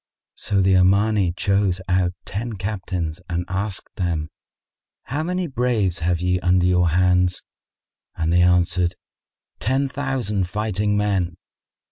So the Omani chose out ten captains and asked them, "How many braves have ye under your hands?"; and they answered, "Ten thousand fighting men."